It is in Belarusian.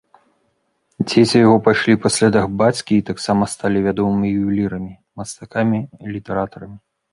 Дзеці яго пайшлі па слядах бацькі і таксама сталі вядомымі ювелірамі, мастакамі і літаратарамі.